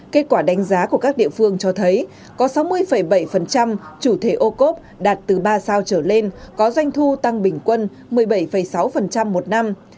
kết quả đánh giá của các địa phương cho thấy có sáu mươi bảy chủ thể ô cốp đạt từ ba sao trở lên có doanh thu tăng bình quân một mươi bảy sáu một năm